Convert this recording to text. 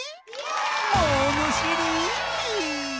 ものしり！